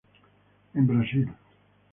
En Brasil.